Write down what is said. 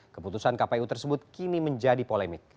keputusan kpu tersebut kini menjadi polemik